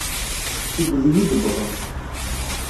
S tuggdi id-wwḍen.